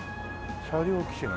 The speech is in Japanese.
車両基地ね。